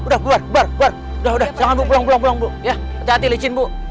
udah bubar bubar udah udah sangat bu pulang pulang pulang bu ya hati hati licin bu